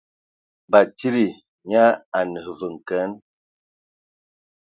Batsidi nya a ne vǝ n kǝan.